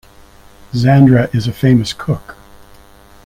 Xandra is a famous cook.